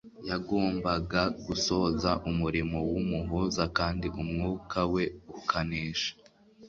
Yagombaga gusoza umurimo w'Umuhuza kandi Umwuka we ukanesha.